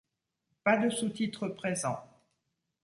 Pas de sous-titres présents.